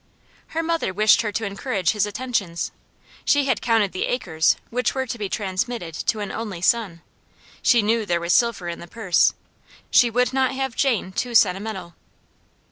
Her mother wished her to encourage his attentions. She had counted the acres which were to be transmitted to an only son; she knew there was silver in the purse; she would not have Jane too sentimental.